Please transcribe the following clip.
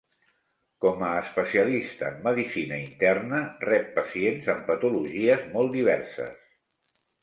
Com a especialista en medicina interna, rep pacients amb patologies molt diverses.